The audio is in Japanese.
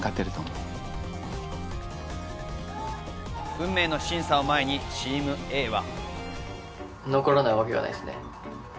運命の審査を前にＴｅａｍＡは。